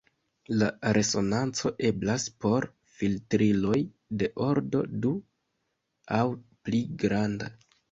La resonanco eblas por filtriloj de ordo du aŭ pli granda.